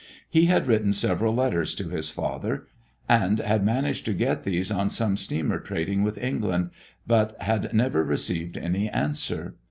He had written several letters to his father, and had managed to get these on some steamer trading with England, but had never received any answer.